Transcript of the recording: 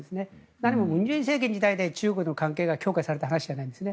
何も文在寅政権時代に中国との関係が強化されたわけじゃないんですね。